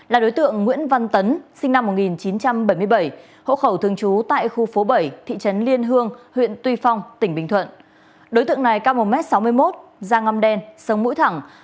là đối tượng nguyễn văn tấn sinh năm một nghìn chín trăm bảy mươi bảy hộ khẩu thường trú tại khu phố bảy thị trấn liên hương huyện tuy phong tỉnh bình thuận